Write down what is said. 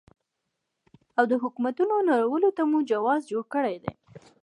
او د حکومتونو نړولو ته مو جواز جوړ کړی دی.